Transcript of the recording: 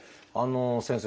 先生